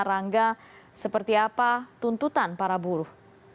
rangga seperti apa tuntutan para buruh